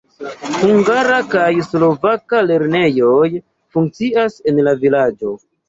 Hungara kaj slovaka lernejoj funkcias en la vilaĝo.